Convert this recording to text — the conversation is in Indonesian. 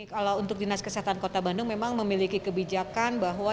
kalau untuk dinas kesehatan kota bandung memang memiliki kebijakan bahwa